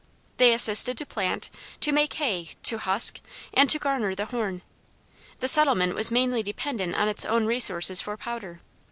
They assisted to plant, to make hay, to husk, and to garner the corn. The settlement was mainly dependent on its own resources for powder.